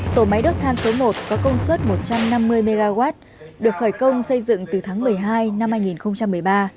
tổ máy đức than số một có công suất một trăm năm mươi mw được khởi công xây dựng từ tháng một mươi hai năm hai nghìn một mươi ba